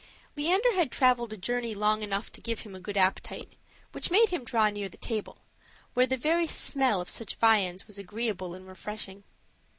Leander had traveled a journey long enough to give him a good appetite, which made him draw near the table, where the very smell of such viands was agreeable and refreshing.